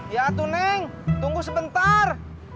ya tuh neng tunggu sebentar